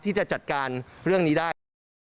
ที่จะจัดการเรื่องนี้ได้